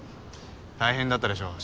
大変だったでしょう？